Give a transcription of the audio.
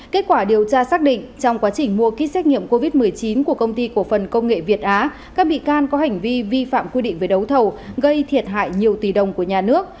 kết quả điều tra xác định trong quá trình mua kích xét nghiệm covid một mươi chín của công ty cổ phần công nghệ việt á các bị can có hành vi vi phạm quy định về đấu thầu gây thiệt hại nhiều tỷ đồng của nhà nước